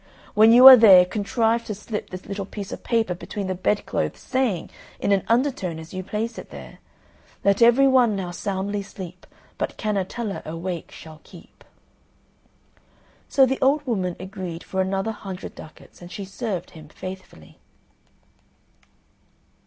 When you are there contrive to slip this little piece of paper between the bed clothes, saying, in an undertone, as you place it there Let every one now soundly sleep, But Cannetella awake shall keep." So the old woman agreed for another hundred ducats, and she served him faithfully.